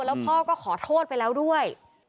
แล้วพ่อก็ขอโทษไปแล้วด้วย